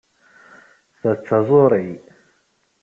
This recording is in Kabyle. Ta d taẓuri?